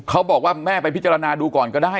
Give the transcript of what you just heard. เขาบอกว่าแม่ไปพิจารณาดูก่อนก็ได้